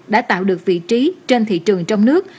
đã tạo được vị trí trên thị trường trong nước